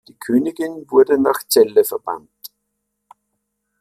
Die Königin wurde nach Celle verbannt.